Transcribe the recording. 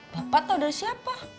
bapak tau dari siapa